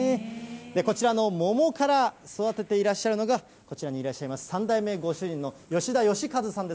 こちらの桃から育てていらっしゃるのが、こちらにいらっしゃいます３代目ご主人の吉田義一さんです。